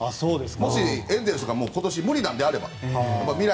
もしエンゼルスが今年無理なのであれば。